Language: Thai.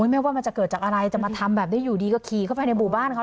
ไม่ว่ามันจะเกิดจากอะไรจะมาทำแบบนี้อยู่ดีก็ขี่เข้าไปในหมู่บ้านเขา